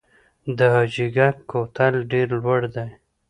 د حاجي ګک کوتل ډیر لوړ دی